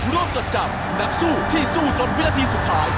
ร่วมกับนักสู้ที่สู้จนวินาทีสุดท้าย